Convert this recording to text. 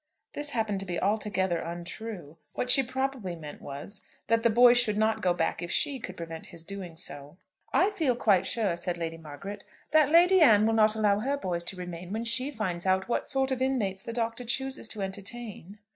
This happened to be altogether untrue. What she probably meant was, that the boy should not go back if she could prevent his doing so. "I feel quite sure," said Lady Margaret, "that Lady Anne will not allow her boys to remain when she finds out what sort of inmates the Doctor chooses to entertain."